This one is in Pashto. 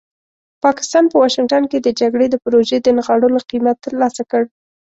پاکستان په واشنګټن کې د جګړې د پروژې د نغاړلو قیمت ترلاسه کړ.